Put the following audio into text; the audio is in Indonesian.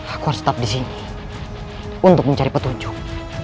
aku harus tetap di sini untuk mencari petunjuk